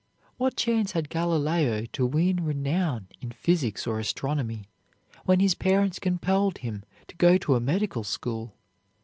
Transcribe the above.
What chance had Galileo to win renown in physics or astronomy, when his parents compelled him to go to a medical school?